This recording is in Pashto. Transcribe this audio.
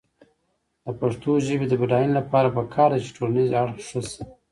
د پښتو ژبې د بډاینې لپاره پکار ده چې ټولنیز اړخ ښه شي.